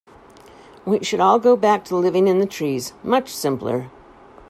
We should all go back to living in the trees, much simpler.